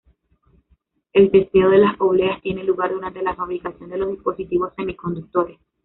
El testeo de las obleas tiene lugar durante la fabricación de los dispositivos semiconductores.